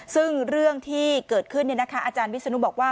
ซึ่งเรื่องที่เกิดขึ้นอาจารย์วิศนุบอกว่า